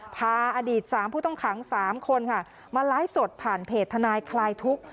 พาอดีต๓ผู้ต้องขัง๓คนค่ะมาไลฟ์สดผ่านเพจทนายคลายทุกข์